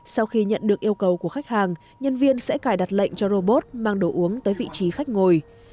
sau khi nhận được yêu cầu của khách hàng nhân viên sẽ cài đặt lệnh cho robot mang đồ uống tới vị trí khách ngồi